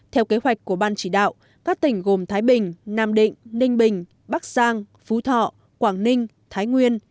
theo kế hoạch của ban chỉ đạo các tỉnh gồm thái bình nam định ninh bình bắc giang phú thọ quảng ninh thái nguyên